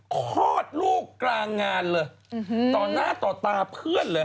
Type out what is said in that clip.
คลอดลูกกลางงานเลยต่อหน้าต่อตาเพื่อนเลย